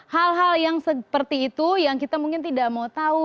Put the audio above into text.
hal hal yang seperti itu yang kita mungkin tidak mau tahu